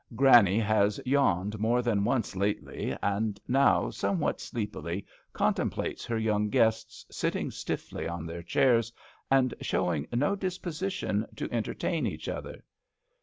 Granny hasyawned more than once lately, and now, somewhat sleepily, con GRANNY LOVELOCK AT HOME. l6l templates her young guests, sit ting stiffly on their chairs and showing no disposition to enter tain each other.